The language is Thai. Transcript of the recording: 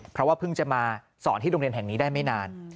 เพราะว่าเพิ่งจะมาสอนที่โรงเรียนแห่งนี้ได้ไม่นาน